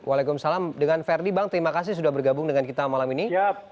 waalaikumsalam dengan verdi bang terima kasih sudah bergabung dengan kita malam ini